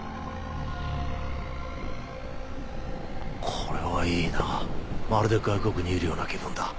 これはいいなぁまるで外国にいるような気分だ。